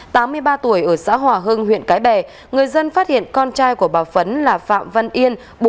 tám mươi ba tuổi ở xã hòa hưng huyện cái bè người dân phát hiện con trai của bà phấn là phạm văn yên